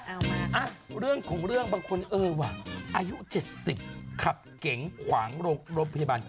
เอามาเรื่องของเรื่องบางคนเออว่ะอายุ๗๐ขับเก๋งขวางโรงพยาบาล